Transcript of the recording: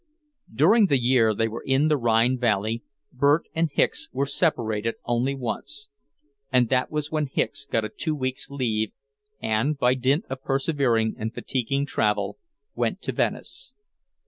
During the year they were in the Rhine valley, Bert and Hicks were separated only once, and that was when Hicks got a two weeks' leave and, by dint of persevering and fatiguing travel, went to Venice.